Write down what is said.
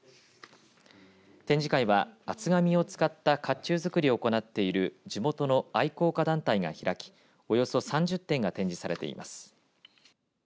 展示会は厚紙を使ったかっちゅう作りを行っている地元の愛好家団体が開きおよそ３０点が展示されています。